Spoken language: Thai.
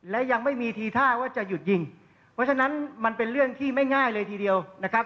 และยังไม่มีทีท่าว่าจะหยุดยิงเพราะฉะนั้นมันเป็นเรื่องที่ไม่ง่ายเลยทีเดียวนะครับ